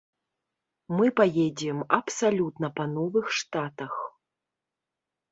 Мы паедзем абсалютна па новых штатах.